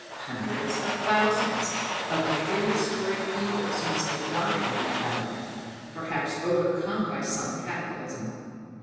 Hundreds of thousands of the prehistoric beetles must have died in that valley, perhaps overcome by some cataclysm.